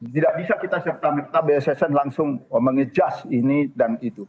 tidak bisa kita serta merta bssn langsung mengejus ini dan itu